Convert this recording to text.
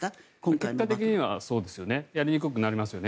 結果的にはやりにくくなりますよね